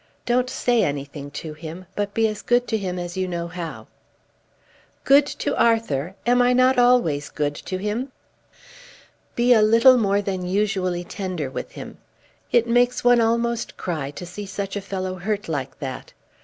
Don't say anything to him, but be as good to him as you know how." "Good to Arthur! Am I not always good to him?" "Be a little more than usually tender with him. It makes one almost cry to see such a fellow hurt like that.